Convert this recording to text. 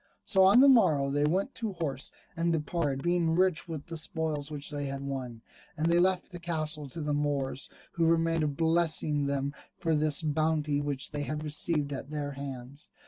So on the morrow they went to horse and departed, being rich with the spoils which they had won: and they left the castle to the Moors, who remained blessing them for this bounty which they had received at their hands.